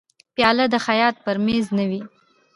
پیاله د خیاط پر مېز نه وي.